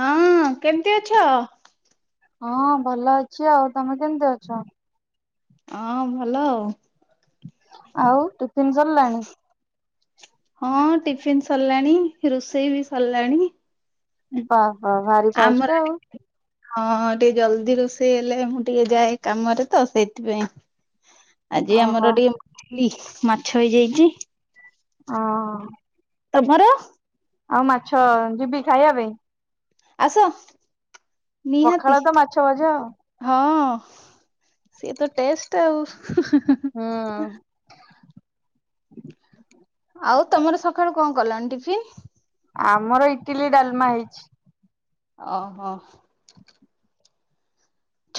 ହଁ କେମିତି ଅଛ? ହଁ ଭଲ ଅଛି ଆଉ ତମେ କେମିତି ଅଛ? ହଁ ଭଲ ଆଉ। ଆଉ ଟିଫିନ ସରିଲାଣି? ହଁ ଟିଫିନ ସରିଲାଣି, ରୋଷେଇ ବି ସରିଲାଣି। ବାଃ ବାଃ ଭାରି ଆମର ଫାଷ୍ଟ ଆଉ। ହଁ ଟିକେ ଜଲଦି ରୋଷେଇ ହେଲେ ମୁଁ ଟିକେ ଯାଏ କାମରେ ତ, ସେଇଥିପାଇଁ। ଆଜି ଓହୋ ଆମର ଟିକେ ମଛଲି, ମାଛ ହେଇଯାଇଛି। ଓହୋ। ତମର? ଆଉ ମାଛ ଯିବି ଖାଇବା ପାଇଁ? ଆସ, ନିହାତି ପଖାଳ ତ ମାଛ ଭଜା ଆଉ। ହଁ। ସିଏ ତ ଟେଷ୍ଟ ଆଉ। ହୁଁ। ଆଉ ତମର ସକାଳୁ କଣ କଲଣି ଟିଫିନ? ଆମର ଇଟିଲି ଡାଲମା ହେଇଛି। ଓହୋ।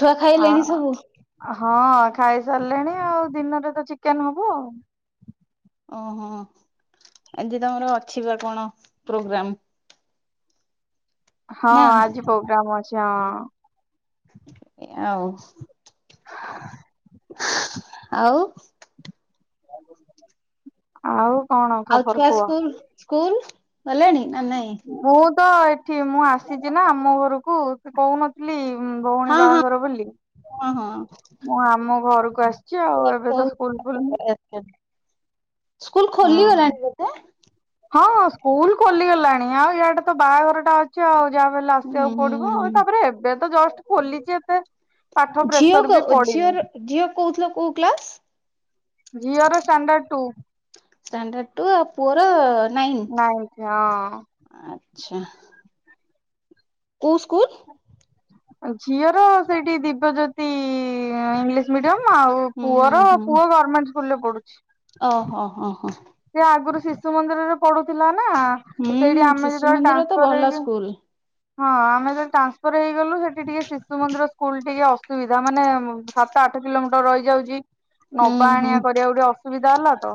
ଛୁଆ ଆ ଖାଇଲେଣି ସବୁ? ହଁ ଖାଇ ସାରିଲେଣି ଆଉ, ଦିନରେ ତ ଚିକେନ ହବ ଆଉ। ଓହୋ ଆଜି ତମର ଅଛି ବା କଣ ପ୍ରୋଗ୍ରାମ? ହଁ ନା ଆଜି ପ୍ରୋଗ୍ରାମ ଅଛି, ହଁ। ଆଉ [unintelligible] ଆଉ ଆଉ କଣ ଆଉ ଖବର ଛୁଆ କୁହ? ସ୍କୁଲ ସ୍କୁଲ ଗଲେଣି, ନା ନାଇଁ? ମୁଁ ତ ଏଠି ମୁଁ ଆସିଛି ନା ଆମ ଘରକୁ, ସେ କହୁନଥିଲି ଉଁ ଭଉଣୀ ହଁ ହଁ ବାହାଘର ବୋଲି। ହଁ ହଁ ମୁଁ ଆମ ଘରକୁ ଆସିଛି ଆଉ, ଛୁଆ ବି ଏବେ ତ ସବୁ ସ୍କୁଲ ସମସ୍ତେ ଖୋଲିନି। ପଳେଇ ଆସିଛନ୍ତି। ସ୍କୁଲ ଖୋଲି ଗଲାଣି ବୋଧେ! ହଁଁ ହଁ ସ୍କୁଲ ଖୋଲି ଗଲାଣି ଆଉ ଇଆଡେ ତ ବାହାଘରଟା ଅଛି ଆଉ। ଯାହା ବଲେ ହୁଁ ଆସିବାକୁ ପଡିବ, ଆଉ ହୁଁ ତାପରେ ଏବେ ତ ଜଷ୍ଟ ଖୋଲିଛି ଏତେ ପାଠ ଝିଅ ପ୍ରେସର କୁ ବି ଝିଅ ପଡିନି ର ଝିଅ କୁ କହୁଥିଲ କୋଉ କ୍ଲାସ? ଝିଅ ର ଷ୍ଟାଣ୍ଡାଡ୍ ଟୁ। ଷ୍ଟାଣ୍ଡାଡ୍ ଠୁ ଆଉ ପୁଅ ର ନାଇନଥ। ନାଇଁଥ ହଁ। ଆଛା। କୋଉ ସ୍କୁଲ? ଝିଅର ସେଇଠି ଦିବ୍ୟଜ୍ୟୋତି ଇଂଲିଶ ମିଡିୟମ। ଆଉ ହୁଁ ପୁଅର ପୁଅ ଗଭର୍ନମେଣ୍ଟ ସ୍କୁଲ ରେ ପଢୁଛି। ଅ ହଁ ହଁ ହଁ। ସେ ଆଗରୁ ଶିଶୁ ମନ୍ଦିରରେ ପଢୁଥିଲା ନା। ନା ସେଇଠି ହୁଁ ଆମେ ଶିଶୁ ଯେତେବେଳେ ମନ୍ଦିର ତ ଟ୍ରାନ୍ସଫର ଭଲ ହେଇକି ସ୍କୁଲ। ହଁ ଆମେ ଯେତେବଳେ ଟ୍ରାନ୍ସଫର ହେଇଗଲୁ ସେଠି ଟିକେ ଶିଶୁ ମନ୍ଦିର ସ୍କୁଲ ଟିକେ ଅସୁବିଧା, ମାନେ ସାତ ଆଠ କିଲୋମିଟର ରହିଯାଉଛି। ହୁଁ ନବା ହୁଁ ଆଣିବା କରିବାକୁ ଟିକେ ଅସୁବିଧା ହେଲା ତ,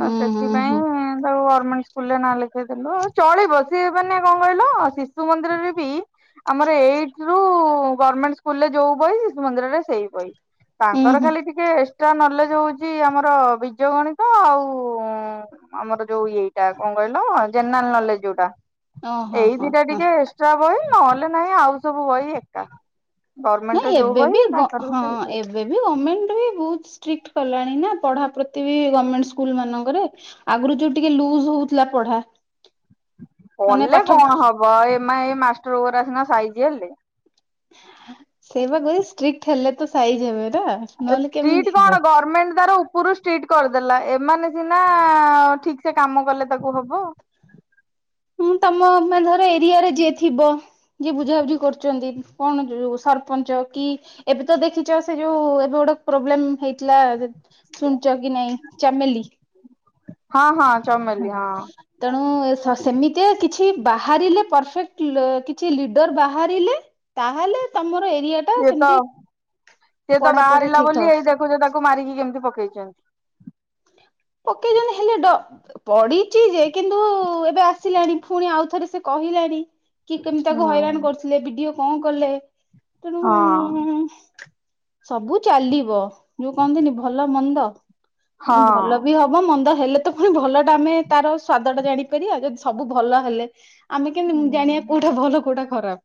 ହୁଁ ହୁଁ ସେଥିପାଇଁ ହୁଁ ତାକୁ ଗମେଣ୍ଟସ ନାଁ ଲେଖେଇ ଦେଲୁ ହଉ ଚଳିବ ସିଏ ମାନେ କଣ କହିଲ ଶିଶୁ ମନ୍ଦିରରେ ବି ଆମର ଏଇଟ ରୁ ଗଭର୍ଣମେଣ୍ଟ ସ୍କୁଲରେ ଯୋଉ ବହି, ଶିଶୁ ମନ୍ଦିରରେ ସେଇ ବହି। ହୁଁ ତାଙ୍କର ହୁଁ ଖାଲି ଟିକେ ଏକ୍ସଟ୍ରା ନଲେଜ ହଉଛି ଆମର ବିଜ ଗଣିତ ଆଉ ଆମର ଯୋଉ ଏଇଟା କଣ କହିଲ କହିଲ ଜେନେରାଲ ନଲେଜ ଯୋଉଟା। ଓ ହଁ ହଁ ହଁ। ଟେ ଏକ୍ସଟ୍ରା ବହି ନହେଲେ ନାହିଁ ଆଉ ସବୁ ବହି ଏକା ଗଭର୍ଣ୍ଣମେଣ୍ଟ ର ନାହିଁ ଯୋଉ ଏବେ ବି ବହି ଗ ତାଙ୍କର ବି ହଁ ସେଇ ବହି। ଏବେ ବି ଗମେଣ୍ଟ ବି ବହୁତ ଷ୍ଟ୍ରିକ୍ଟ କଲାଣି ନା ପଢା ପ୍ରତି ବି ଗମେଣ୍ଟ ସ୍କୁଲ ମାନଙ୍କରେ ଆଗରୁ ଯୋଉ ଟିକେ ଲୁଜ ହଉଥିଲା ପଢା ମାନେ କଲେ ପାଠ କଣ ହବ ଏ ମା ଏ ମାଷ୍ଟର ଗୋଡା ସିନା ସାଇଜି ହେଲେ ସେଇ ବା କହିଲି ଷ୍ଟ୍ରିକ୍ଟ ହେଲେ ତ ସାଇଜ ହେବେ ନା ନହେଲେ କେମିତି ଷ୍ଟ୍ରିକ୍ଟ ହେବେ କଣ ଗଭର୍ଣମେଣ୍ଟ ତାର ଉପରୁ ଷ୍ଟ୍ରିକ୍ଟ କରିଦେଲା ଏମାନେ ସିନା ଠିକ ସେ କାମ କଲେ ତାକୁ ହବ ମୁଁ ତମ ମାନେ ଧର ଏରିଆରେ ଯିଏ ଥିବ। ଯିଏ ବୁଝାବୁଝି କରୁଛନ୍ତି କଣ ଯୋଉ ସରପଞ୍ଚ କି ଏବେ ତ ଦେଖିଛ ସେ ଯୋଉ ଏବେ। ପ୍ରୋବ୍ଲେମ୍ ହେଇଥିଲା ଯେ ଶୁଣିଛ କି ନାଇଁ ଚାମେଲି ହଁ ହଁ ହଁ ଚମେଲି ତେଣୁ ସ- ସେମିତିଆ କିଛି ବାହାରିଲେ ପରଫେକ୍ଟ କିଛି ଲିଡର ବାହାରିଲେ ତା ହେଲେ ତମ ସିଏ ତ, ସିଏ ତ ପଢାପଢି ବାହାରିଲା ଠିକ ବୋଲି ହବ ଏଇ ଦେଖୁଛ ତାକୁ ମାରିକି କେମତି ପକେଇ ଜ ପକେଇଛନ୍ତି ହେଲେ ଡ ବଡିଛି ଯେ କିନ୍ତୁ ଏବେ ଆସିଲାଣି ପୁଣି ଆଉ ଥରେ ସେ କ କହିଲାଣି କି କେମିତି ହୁଁ ତାକୁ ହଇରାଣ କରୁଥିଲେ ବିଡିଓ କଣ କଲେ? ତେଣୁ ହଁ। ସବୁ ଚାଲିବ ଯୋଉ କହନ୍ତିନି ଭଲ ମନ୍ଦ ତେଣୁ ହଁ। ଭଲ ବି ହବ ମନ୍ଦ ହେଲେ ତ ପୁଣି ଭଲ ଟା ଆମେ ତାର ସ୍ଵାଦ ଟା ଜାଣିପାରିବା ଯଦି ସବୁ ଭଲ ହେଲେ ଆମେ କେମତି ଜାଣିବା କୋଉଟା ଭଲ କୋଉଟା ଖରାପ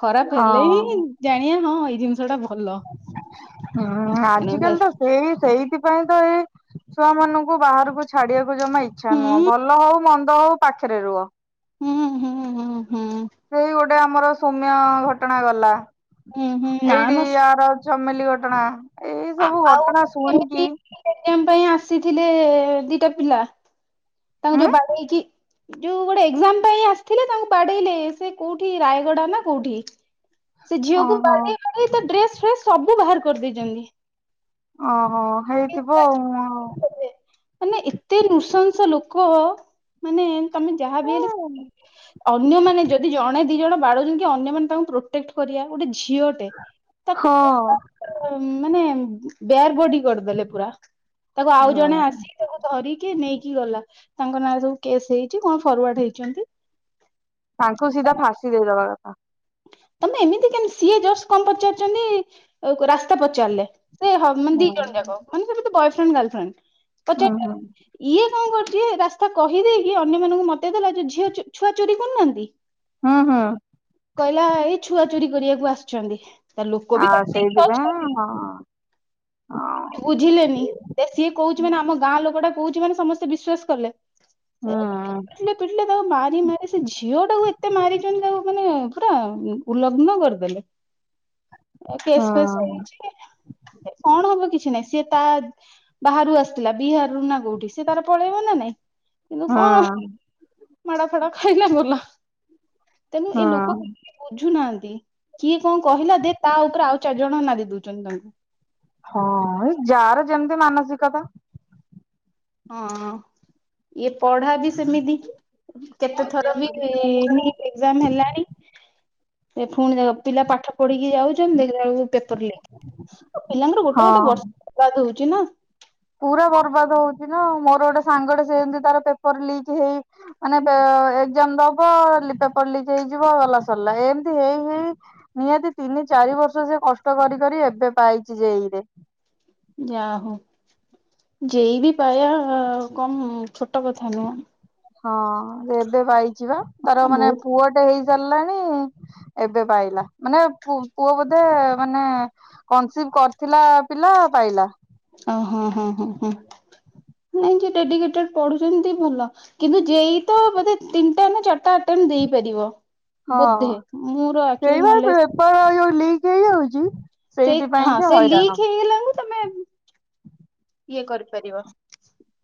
ଖରାପ ହେଲେ ହଁ। ହିଁ ଜାଣିଆ ହଁ ଏଇ ଜିନିଷ ଟା ଭଲ ହଁ ତେଣୁ ହୁଁ ଆଜିକାଲି ତ ସେଇ ସେଇଥି ପାଇଁ ତ ଏଇ ଛୁଆ ମାନଙ୍କୁ ବାହାରକୁ ଛାଡିବାକୁ ଜମା ଇଚ୍ଛା ନୁହଁ ଭଲ ହଉ ମନ୍ଦ ତୋ ପାଖରେ ରୁହ ହୁଁ ହୁଁ ହୁଁ ହୁଁ। ସେଇ ଗୋଟେ ଆମର ସୌମ୍ୟର ଘଟଣା ଗଲା। ହୁଁ ହୁଁ ନା ମ। ଫ୍ୟାମିଲି ଘଟଣା। ଏଇ ସବୁ ଆଉ ଘଟଣା କେମତି? ଶୁଣିକି ଆସି ଥିଲେ ଦିଟା ପିଲା ତାଙ୍କୁ ଉଁ ଯୋଉ ବାଡେଇକି। ଯୋଉ ଗୋଟେ ଏଜାମ ପାଇଁ ଆସିଥିଲେ ତାଙ୍କୁ ବାଡେଇଲେ ସେ କୋଉଠି ରାୟଗଡା ନା କୋଉଠି? ସେ ଝିଅକୁ ଓହୋ ବାଡେଇ ବାଡେଇ ତା ଡ୍ରେସ ଫ୍ରେସ ସବୁ ବାହାର କରିଦେଇଛନ୍ତି। ଓହୋ ହେଇଥିବ। ମାନେ ଏତେ ନୃଶଂସ ଲୋକ ମାନେ। ତମେ ଯାହା ବି ହେଲେ ହଁ। ଅନ୍ୟମାନେ ଯଦି ଜଣେ। ଦି ଜଣ ବାଡୋଉଛନ୍ତି ଯେ ଅନ୍ୟ ମାନ ତାଙ୍କୁ ପ୍ରୋଟେକ୍ଟ କରିବା ଗୋଟେ ଝିଅଟେ ତାକୁ। ହୁଁ ମାନେ, ବେହୋସ୍‌ ହୋଇଗଲେ ପୁରା ତାକୁ ଆଉ ଜଣେ ଆସିକି ଧରିନେଲେ। କିଏ ନେଇକି ଗଲା ତାଙ୍କ ନାଁରେ ସବୁ କେସ୍ ହେଇଛି କୋଟ ଫରୱାର୍ଡ ହେଇଛନ୍ତି। ତାଙ୍କୁୁ ସିଧା ଫାଶୀ ଦେଇ ଦେବା କଥା। ତମେ ଏମିତି କେମତି ସିଏ ଜ କଣ ପଚାରୁଛନ୍ତି ରାସ୍ତା ପଚାରିଲେ। ସେହି ଦୁଇଜଣ ମାନେ ହୁଁ। ବୟଫ୍ରେଣ୍ଡ ଓ ଗାର୍ଲଫ୍ରେଣ୍ଡ ପରି ଉଁ ହୁଁ ଥିଲେ। କଣ କରୁଛି ରାସ୍ତା କହିଦେଇକି ଅନ୍ୟମାନାନଙ୍କୁ ମତେଇଦଲା ଝିଅ ଛୁଆ ଚୋରି କରୁନାହାନ୍ତି। ହଁ ହଁ। କହିଲା ଏଇ ଛୁଆ ଚୋରି କରିବାକୁ ଆସିଛନ୍ତି। ତା ଲୋକ ବି ଆଉ ସେତିକି ଅଛନ୍ତି ସେଇଥିପାଇଁ। ବୁଝିଲେନି ସିଏ କହୁଛି ମାନେ ଆମ ଗାଁ ଲୋକ ଟା କହୁଛି ମାନେ ସମସ୍ତେ ବିଶ୍ଵାସ କଲେ। ହଁ ପିଟିଲେ ତାକୁ ମାରି ମାରି ସେ ଝିଅ ଟାକୁ ଏତେ ମାରିଛନ୍ତି ତାକୁ ମାନେ। ଉଲ୍ଲଗ୍ନ କରିଦେଲେ। ହୁଁ କେସ୍ ଫସ୍ ହୁଁ। ହେଇଛି କଣ ହବ କେଜାଣି। କିଛି ନାଇଁ ସେ ତ ବାହାରୁ ଆସିଥିଲା। ବିହାରରୁୁ ନା କୋଉଠି ସେ ତାର ପଳେଇବ ନା ନାଇଁ। ହଁ। ମାଡ଼ ଫାଡ଼ ଖାଇଲେ ଭଲ। ତେଣୁ ଏ ହଁ ଲୋକେ ବୁଝୁ ନାହାନ୍ତି। କିଏ କଣ କହିଲା ଦେ ତା ଉପରେ ଆଉ ଚାରି ଜଣ ନାଦି ଦଉଛନ୍ତି। ହଁ ଏଇ ଯା ର ଯେମିତି ମାନସିକତା। ହଁ ଇଏ ପଢା ବି ସେମିତି। କେତେ ଥର ବି ନିଟ୍ ହେଲାଣି। ପୁଣି ଦେଖ ପିଲା ପାଠ ପଢିକି ଯାଉଛନ୍ତି ଦେଖିଲା ବେଳକୁ ପେପର ଲିକ୍। ଆ ପିଲାଙ୍କର ଗୋଟେ ଗୋଟେ ହଁ ବର୍ଷ ବରବାଦ ହଉଛି ନା। ପୁରା ବର୍ବାଦ ହଉଛି ନା ମୋର ଗୋଟେ ସାଙ୍ଗଟେ ସେ ଯେମତି ତାର ପେପର ଲିକ୍ ହେଇ ମାନେ ଏଜାମ ଦବ ପେପର୍ ଲିକ୍ ହେଇଯିବ ଗଲା ସରିଲା ଏମତି ହେଇ ହେଇ ନିହାତି ତି ଚାରି ବର୍ଷ ସେ କଷ୍ଟ କରି କରି ଏବେ ପାଇଛି ଯେଇ ରେ। ଓହୋ। ଯେଇ ବି ପାଇବା କଣ ଛୋଟ କଥା ନୁହଁ। ହଁ ଏବେ ପାଇଯିବା ତାର ଆ ମାନେ ବହୁତ ପୁଅ ଟେ ହେଇ ଚାଲିଲାଣି ଏବେ ପାଇଲା ମାନେ ପୁଅ ବୋ ମାନେ କନସିଭ କରିଥିଲା ପିଲା ପାଇଲା। ଓ ହୋ ହଁ ହ ହଁ। ନାଇଁ ଯ ଡେଡିକେ ପଢୁଛନ୍ତି ଭଲ କିନ୍ତୁ ଯ ତ ବୋଧେ ତିନିଟା ନା ଚାରିଟା ଆ ଦେଇପାରିବ‌। ହଁ ଏଇାର ନଲେଜ ପେପର ଯୋଉ ଲିକ ହେଇଯାଉଛି। ସେ ସେଇଥିପାଇଁ ହଁ କି ସେ ହଇରାଣ। ଲିକ ହେଇଗଲା ତମେ ଇଏ କରିପାରିବ।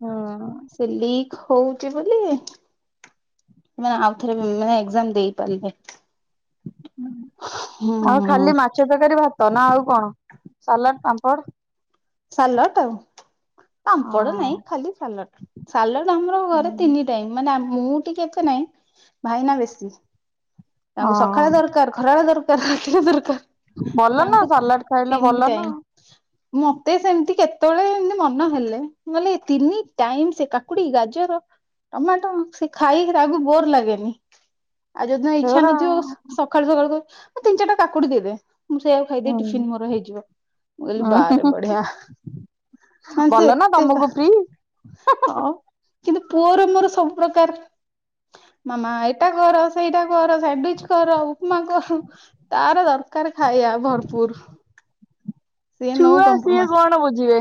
ହଁ। ସେ ଲିକ୍ ହଉଛି ବୋଲି। ସେମାନେ ଆଉଥରେ ମାନେ ଏଜାମ ଦେଇପାରିବେ। ହୁମ୍ ଆଉ ଖାଲି ମାଛ ତରକାରୀ ଭା ତନା ଆଉ କଣ ସାଲାଡ ପାମ୍ପଡ଼ ସାଲାଟ୍ ଆଉ। ପାମ୍ପଡ ହଁ ନାଇଁ ଖାଲି ସାଲଡ ସାଲଡ ଆମର ଘରେ ତିନି ଟାଇମ ମାନେ ଆମ ମୁଁ ଟିକେ ଏତେ ନାଇଁ ଭାଇନା ବେଶୀ। ତାଙ୍କୁ ସକାଳେ ହଁ ଦରକାର ଖରାବେ ଦରକାର ଦରକାର ଭଲ ନା ତାଙ୍କୁ ସାଲାଡ ଖାଇଲେ ତିନି ଭଲ ନା ଟାଇମ ତେ ସେମିତି କେତେବେଳେ ଏମତି ମନ ହେଲେ ନହଲେ ଏ ତିନି ଟାଇମ ସେ କାକୁଡି ଗାଜର ଟମାଟ ସେ ଖାଇରି ଆଗୁ ବୋର ଲାଗେନି। ଆଉ ଯଦି ଇଚ୍ଛା ସେଗୁରା ନଥିବ ସକାଳୁ ସକାଳୁ ମୁଁ ତିନି ଚାରିଟା କାକୁଡି ଦେବେ। ମୁଁ ସେଇଆଉ ଖାଇଦ ହୁଁ ଟିଫିନ ମୋର ହେଇଯିବ ମୁଁ କହିଲି ବାହାରେ ଉଁ ମ ସେ ଭଲ ନା ଏତେ ତମକୁ ଫ୍ରି ହ କିନ୍ତୁ ପୁଅର ମୋର ସବୁ ପ୍ରକାର ମାମା ଏଇଟା କର ସେଇଟା କର ସାଣ୍ଡୱିଚ କର ଉପମା କର ତାର ଦରକାର ଖାଇ ଭରପୁର। ସିଏ ଛୁଆ ସିଏ କଣ ବୁଝିବେ।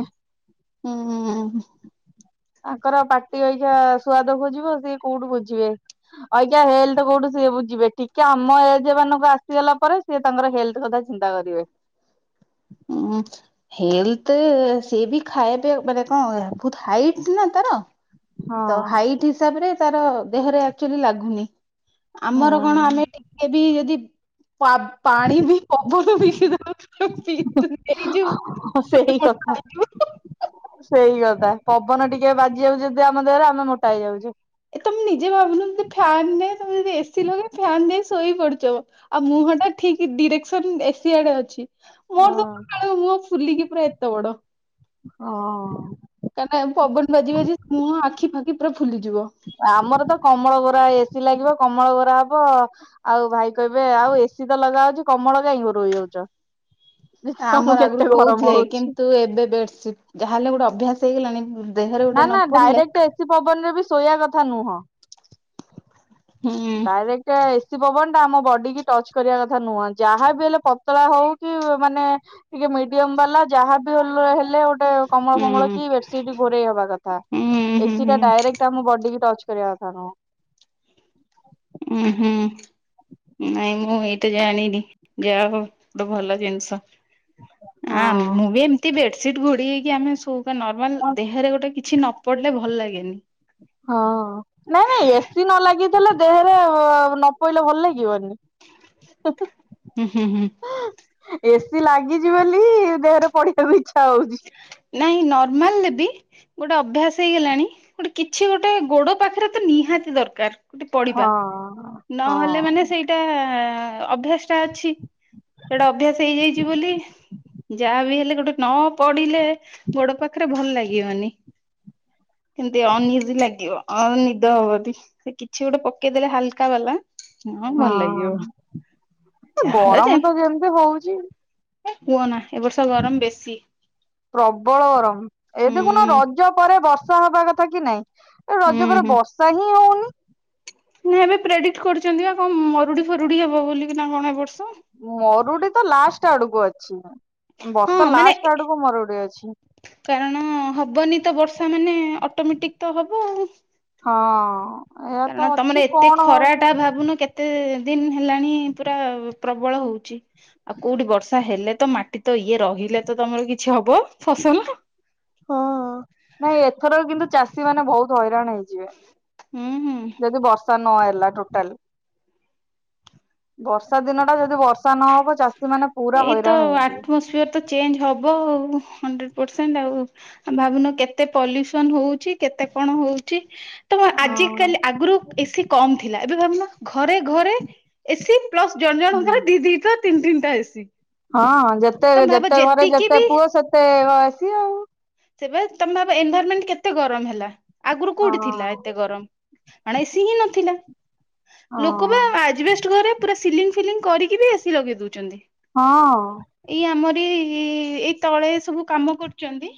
ହୁଁଉଁଉଁ। ତାଙ୍କର ପାଟି ଆଜ୍ା ସୁଆଦ ଖୋଜିବ ସେିଏ କୋଉଠି ବୋଝିବେ ଆଜ୍ା ହେଲଥ କୋଉଠି ସଏବୁ ଯିବେ ଟିକେ ଆମ ଏଜ ମାନଙ୍କୁ ଆସିଗଲା ପରେ ସେଏ ତାଙ୍କର ହେଲ୍ଥ କଥା ଚିନ୍ତା କରିବେ। [unintelligible] ଉଁ ହେଲଥ ସେ ବି ଖାଇବେ ମାନେ କଣ ବହୁତ ହାଇଟ ନା ତା ତ ହଁ ହାଇଟ ହିସାବରେ ତାର ଦେହରେ ଆଚୁଲି ଲାଗୁନି। ଆମର କଣ ହୁଁ। ଆମେ ଟିକେ ବି ଯଦି ପା ପାଣି ବି ପବନ ପି ପିଇ ନେଇଯୁ [unintelligible] ହଁ ସେଇ କଥା ସେଇ ତ ପବନ ଟିକେ ବାଜିଯାଉଚି ଯଦି ଆମ ଦେହରେ ଆମେ ମୋଟା ହେଇଯାଉଚୁ। ଏ ତମେ ନିଜେ ଭାବୁନ ଯଦି ଫ୍ୟାନ ନଁ ତମେ ଯଦି ଏସି ଲଗେଇ ଫ୍ୟାନ ଦେଇ ସୋ ଶୋଇ ପଡିଚ ଆଉ ମୁହଁ ଟା ଠିକ୍ ଡିରେକ୍ସନ ଏସି ଆଡେ ଅଛି। ମୋର ହଁ ତ ସକାଳୁ ମୁହଁ ଫୁଲିକି ପୁରା ଏତେ ବଡ। ଓ ଅ। କାଇଁନା ପବନ ବାଜିି ବାଜି ମୁହଁ ଆଖି ଫାଖି ପୁରା ଫୁଲିଯିବ। ଆମର ତ କମଳ ଘୋରା ଏସି ଲାଗିବ କମଳ ଘୋରା ହବ ଆଉ ଭାଇ କହିବେ ଆଉ ଏ ଏସି ତ ଲଗା ହଉଛି କମଳ କାଇଁ ଘୋରେଇ ହୋଉଚ। ଆମର ଆଗରୁ କହୁଥିଲେ ହଉଛି କିନ୍ତୁ ଏବେ ବେଡସି ଯାହାହେଲେ ଗୋଟେ ଅଭ୍ୟାସ ହେଇଗଲାଣି ଦେହରେ ଗୋଟେ ନା ନ ନା ପଡିଲେ ଡାଇରେକ୍ଟ ଏସି ପବନ ରେ ବି ଶୋଇବା କଥା ନୁହଁ। ହୁଁ ଡାଇରେକ୍ଟ ଏ ସି ପବନ ଟା ଆମ ବଡି କି ଟଚ କରିବା କଥା ନୁହଁ ଯାହା ବି ହେଲେ ପତଳା ହଉ କି ମାନେ ଟିକେ ମିଡିୟମ ବାଲା ଯାହାବି ହେଲେ ହେ ଗଟେ କମଳ ହୁଁ ଫମଳ ହୁଁ କି ବେଡସିଟ୍ ଘୋଡେଇ ହବାକଥା ହୁଁ ଏସି ଟା ହୁଁ ଡାଇରେକ୍ଟ ଆମ ବଡ଼ି ଡି କି ଟଚ୍ କରଆ କଥା ନୁହଁ। ଉଁ ହୁଁ। ନାଇଁ ମୁଁ ଏଇଟା ଜାଣିନି ଯାହା ହଉ ଗୋଟେ ଭଲ ଜିନିଷ। ଆ ମୁଁ ହଁ ବି ଏମିତି ବେଡସିଟ ଘୋଡି ହେଇକି ଆମେ ସୋଉ ନର୍ମାଲ୍ ଦେହରେ ଗୋଟେ କିଛି ନ ପଡିଲେ ଭଲ ଲାଗେନି। ହଁ ନାଇଁ ନାଇଁ ଏସିି ନ ଲାଗିଥିଲେ ଦେହରେ ନ ପଇଲେ ଭଲ ଲାଗିବନି। ହୁଁ ହୁଁ ହୁଁ। ଏସିି ଲାଗିଛି ବୋଲି ଦେହରେ ପଡିଆ କୁ ଛି ନାଇଁ ନର୍ମାଲରେ ବି ଗୋଟେ ଅଭ୍ୟାସ ହେଇଗଲାଣି ଗୋଟେ କିଛି ଗୋଟେ ଗୋଡ ପାଖରେ ତ ନିହାତି ଦରକାର ଗୋଟେ ପଡିବା ହଁ। ନହେଲେ ହଁ। ମାନେ ସେଇଟା ଅଭ୍ୟାସଟା ଅଛି ସେଟା ଅଭ୍ୟାସ ହେଇଯାଇଚି ବୋଲି ଯାହା ବି ହେଲେ ଗୋଟ ନ ପଢିଲେ ଗୋଡ ପାଖରେ ଭଲ ଲାଗିବନି। କେମତି ଅନିଜ ଲାଗିବ, ଅଉ ନିଦ ହବନି ସେ କିଛି ଗୋଟେ ପକେଇଦେଲେ ହାଲକା ବାଲା ହଁ ଭଲାଗିବ ଯାହାର ଗରମ ଯାହା। ତ ଯେମିତି ହଉଛି କୁହନା ଏ ବର୍ଷ ଗରମ ବେଶୀ। ପ୍ରବଳ ଗରମ ଏ ହୁଁ ଦେଖୁନ ରଜ ପରେ ବର୍ଷା ହବା କଥା କି ନାଇଁ? ଏ ହୁଁ ରଜ ପରା ହୁଁ ବର୍ଷା ହିଁ ହଉନି। ନା ଏବେ ପ୍ରେଡିକ କରୁଚନ୍ତି ବା କଣ ମରୁଡି ଫରୁଡି ହବ ବୋଲିକି ନା କଣ ଏ ବର୍ଷ? ମରୁଡି ତ ଲାଷ୍ଟ ଆଡକୁ ଅଛି ହଁ ବର୍ଷା ମାନେ ଲାଷ୍ଟ ଆଡକୁ ମରୁଡି ଅଛି। କାରଣ ହବନି ତ ବର୍ଷା ମାନେ ଅଟୋମେଟିକ୍ ତ ହବ ଆଉ। ହଁ। ଏହା ତ କାରଣ ତମନେ ଅଛି ଏତେ କଣ ହଉଛି। ଖରାଟା ଭାବୁନୁ କେତେ ଦିନ ହେଲାଣି ପୁରା ପ୍ରବଳ ହଉଚି ଆ କୋଉଠି ବର୍ଷା ହେଲେ ତ ଏ ତ ମାଟି ତ ଇଏ ରହିଲେ ତ ତମର କିଛି ହବ ଫସଲ? ହଁ ନାଇଁ ଏଥରକ କିନ୍ତୁ ଚାଷୀ ମାନେ ବହୁତ ହଇରାଣ ହେଇ ଯିବେ ହୁଁ ହୁଁ ଯଦି ବର୍ଷା ନହ ଲା ଟୋଟାଲ ବର୍ଷା ଦିନଟା ଯଦି ବର୍ଷା ନହବ ଚାଷ ଏଇତ ଆଟମସଫିୟର ତ ଚେଞ୍ଜ ହବ ଆଉ ହଣ୍ଡ ପସେଣ୍ଟ ଆଉ ଭାବୁନ କେତେ ପଲ୍ୟୁସନ୍ ହଉଚି କେତେ କଣ ହଉଚି ତ ଆଜି ଅ କାଲି ଆଗରୁ ଏସି କମ୍ ଥିଲା ଏବେ ଭାବୁନ ଘ ଘରେ ଘରେ ଏସିି ପ୍ଲସ୍ ଜଣ ହୁଁ। ଜଣଙ୍କର ଦି ଦିଟା ତିନି ତିନିଟା ଏସି। ହଁ ଯେତେ ଯେତେ ଘରେ ଯେତିକି ଯେତେ ବି ପୁଅ ସେତେ ବା ଏସି ଆଉ। ସେବେ ତମେ ଭାବ ଏନଭରମେଣ୍ଟ କେତେ ଗରମ ହେଲା? ଆଗରୁ କୋଉଠି ଥିଲା ହଁ। ଏତେ ଗରମ ମାନେ ଏସିି ହିଁ ନଥିଲା। ହଁ ଲୋକବା ଆଜବେଷ୍ଟ ଘରେ ପୁରା ସିଲିଙ୍ଗ ଫିଲିଙ୍ଗ କରିକି ବି ଏସି ଲଗେଇ ଦଉଛନ୍ତି। ହଁ ହଁ। ଏଇ ଆମରି ଏଇ ତଳେ ସବୁ କାମ କରୁଛନ୍ତି।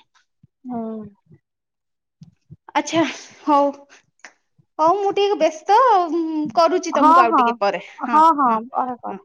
ହଁ। ଆଚଛା ହଉ ହଉ ମୁଁ ଟିକେ ବ୍ୟସ୍ତ ଆଉ କରୁଛି ହଁ ତମକୁ ଆଉ ହଁ ଟିକେ ପରେ ହଁ ହଁ ହଁ।